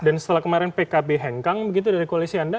dan setelah kemarin pkb hengkang begitu dari koalisi anda